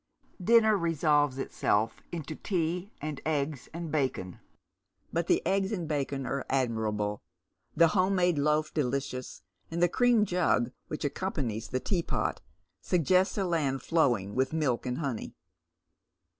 Dinner resolves itself into tea and eggs and bacon, but the eggs and bacon are admirable, the home made loaf delicious, and the cream jug wliich accompanies the teapot suggest a land flowing with milk and honey.